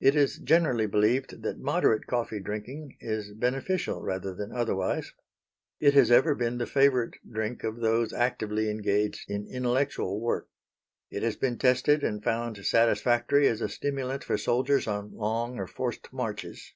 It is generally believed that moderate coffee drinking is beneficial rather than otherwise. It has ever been the favorite drink of those actively engaged in intellectual work. It has been tested and found satisfactory as a stimulant for soldiers on long or forced marches.